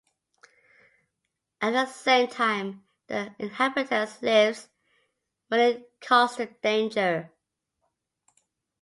At the same time, the inhabitants' lives were in constant danger.